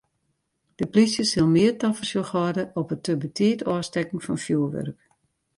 De plysje sil mear tafersjoch hâlde op it te betiid ôfstekken fan fjoerwurk.